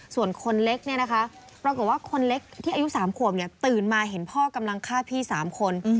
ส่วนคนเล็กเนี่ยนะคะปรากฏว่าคนเล็กที่อายุ๓ขวบตื่นมาเห็นพ่อกำลังฆ่าพี่๓คน